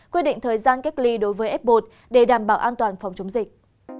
quyết định thời gian kết ly đối với f một để đảm bảo an toàn phòng chống dịch